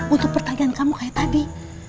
untuk pertanyaan kamu kayak tadi